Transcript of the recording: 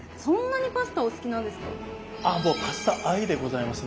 もうパスタ愛でございますねはい。